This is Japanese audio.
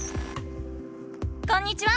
こんにちは！